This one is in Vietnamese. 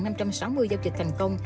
bốn năm trăm sáu mươi giao dịch thành công